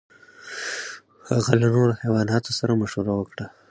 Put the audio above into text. هغه له نورو حیواناتو سره مشوره کوله.